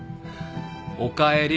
おかえり。